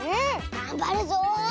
がんばるぞ！